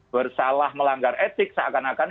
bersalah melanggar etik seakan akan